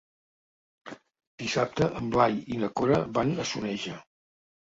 Dissabte en Blai i na Cora van a Soneja.